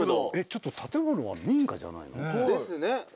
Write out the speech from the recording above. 建物は民家じゃないの？ですね。